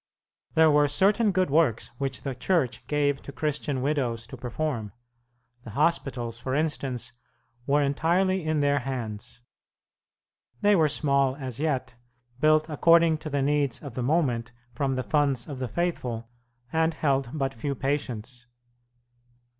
There were certain good works which the Church gave to Christian widows to perform. The hospitals, for instance, were entirely in their hands. They were small as yet, built according to the needs of the moment from the funds of the faithful, and held but few patients.